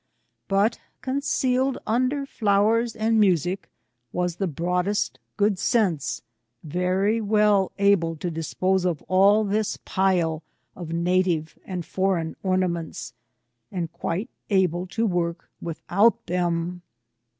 But, concealed under flowers and music, was the broadest good sense, very weU able to dispose of all this pile of native and foreign ornaments, and quite able to work without them.